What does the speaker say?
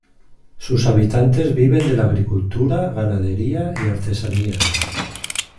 Sus habitantes viven de la agricultura, ganadería y artesanía.